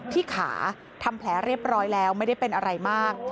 ที่ขาทำแผลเรียบร้อยแล้วไม่ได้เป็นอะไรมาก